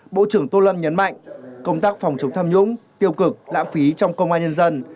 bộ trưởng tô lâm nhấn mạnh công tác phòng chống tham nhũng tiêu cực lãng phí trong công an nhân dân